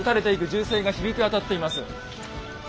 銃声が響き渡っています。